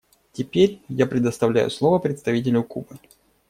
Теперь я предоставляю слово представителю Кубы.